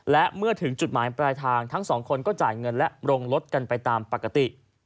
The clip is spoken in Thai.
และเมื่อถึงจุดหมายปลายทางทั้งสองคนก็จ่ายเงินและลงรถกันไปตามปกติ